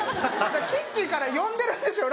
キッチンから呼んでるんですよ